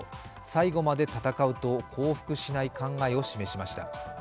最後まで戦うと降伏しない考えを示しました。